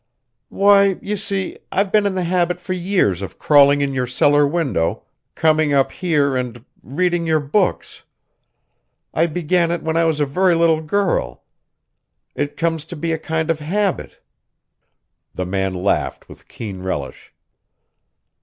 "Why, you see, I've been in the habit for years of crawling in your cellar window, coming up here and reading your books! I began it when I was a very little girl; it's come to be a kind of habit." The man laughed with keen relish.